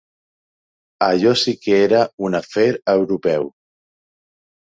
Allò sí que era un afer europeu.